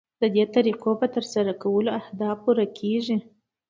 ددې طریقو په ترسره کولو اهداف پوره کیږي.